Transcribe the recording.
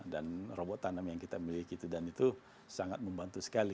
dan robot tanam yang kita miliki itu dan itu sangat membantu sekali